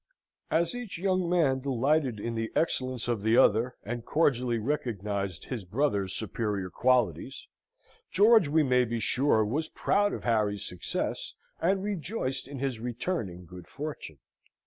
As each young man delighted in the excellence of the other, and cordially recognised his brother's superior qualities, George, we may be sure, was proud of Harry's success, and rejoiced in his returning good fortune.